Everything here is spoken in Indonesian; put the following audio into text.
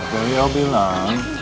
dan dia bilang